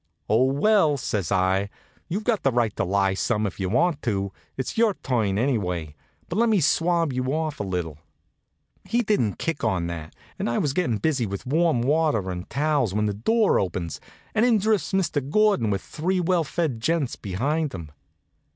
"Oh, well," says I, "you've got a right to lie some if you want to. It's your turn, anyway. But let me swab you off a little." He didn't kick on that, and I was gettin' busy with warm water and towels when the door opens, and in drifts Mr. Gordon with three well fed gents behind him.